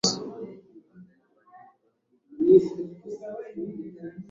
Imirongo yo Kwifuza Inzozi nziza,